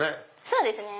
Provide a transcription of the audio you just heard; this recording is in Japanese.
そうですね。